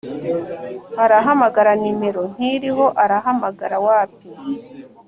arahamagara nimero ntiriho arahamagara wapi,